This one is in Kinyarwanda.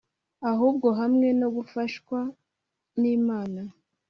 Ahubwo hamwe no gufashwa n’Imana